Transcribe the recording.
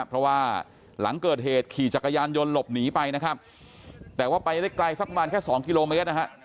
เพราะว่าหลังเกิดเหตุขี่จักรยานยนต์หลบหนีไปนะครับแต่ว่าไปได้ไกลสักประมาณแค่สองกิโลเมตรนะฮะ